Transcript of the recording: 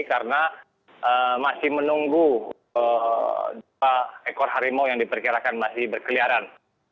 karena masih menunggu dua ekor harimau yang diperkirakan masih berkeliaran